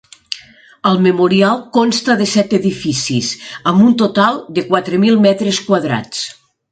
El memorial consta de set edificis, amb un total de quatre mil metres quadrats.